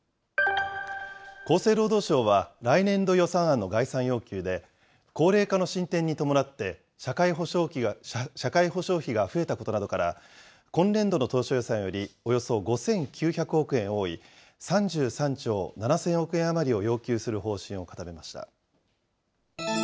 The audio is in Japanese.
厚生労働省は、来年度予算案の概算要求で、高齢化の進展に伴って、社会保障費が増えたことなどから、今年度の当初予算より、およそ５９００億円多い３３兆７０００億円余りを要求する方針を固めました。